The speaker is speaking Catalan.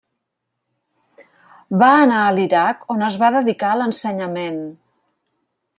Va anar a l'Iraq on es va dedicar a l'ensenyament.